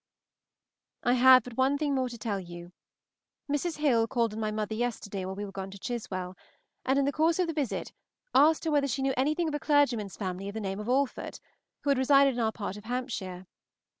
I have but one thing more to tell you. Mrs. Hill called on my mother yesterday while we were gone to Chiswell, and in the course of the visit asked her whether she knew anything of a clergyman's family of the name of Alford, who had resided in our part of Hampshire.